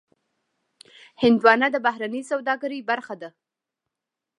هندوانه د بهرنۍ سوداګرۍ برخه ده.